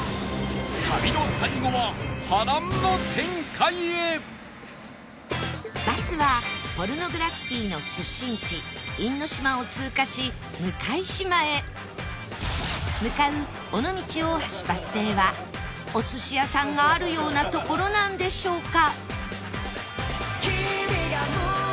旅の最後はバスはポルノグラフィティの出身地因島を通過し向島へ向かう尾道大橋バス停はお寿司屋さんがあるような所なんでしょうか？